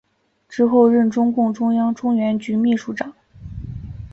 之后任中共中央中原局秘书长。